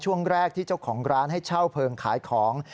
ช่วงแรกที่เจ้าของร้านให้เช่าเพลิงขายของ